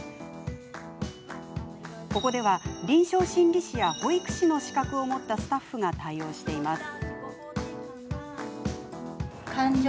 ここでは臨床心理士や保育士の資格を持ったスタッフが対応しています。